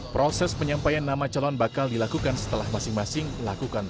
proses penyampaian nama calon bakal dilakukan setelah masing masing melakukan rapat dpp